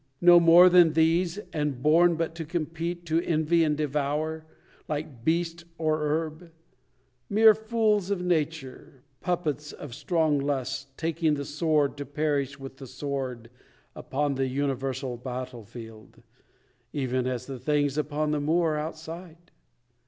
No more than these; and born but to compete To envy and devour, like beast or herb; Mere fools of nature; puppets of strong lusts, Taking the sword, to perish with the sword Upon the universal battle field, Even as the things upon the moor outside?